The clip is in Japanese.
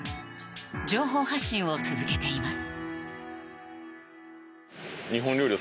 情報発信を続けています。